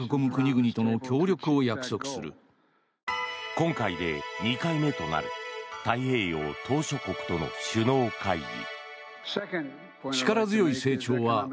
今回で２回目となる太平洋島しょ国との首脳会議。